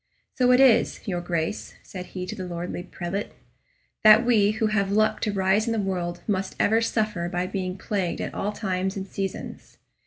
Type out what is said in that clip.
"So it is, your Grace," said he to the lordly prelate, "that we who have luck to rise in the world must ever suffer by being plagued at all times and seasons.